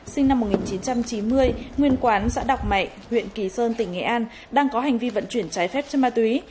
sinh năm một nghìn chín trăm chín mươi nguyên quán xã đọc mại huyện kỳ sơn tỉnh nghệ an đang có hành vi vận chuyển trái phép chân ma túy